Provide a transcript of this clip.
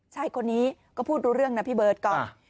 ชายคนนี้ก็พูดรู้เรื่องนะพี่เบิร์ตก๊อฟ